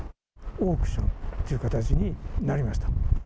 オークションという形になりました。